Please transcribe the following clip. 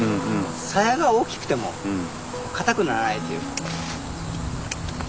サヤが大きくても固くならないというか。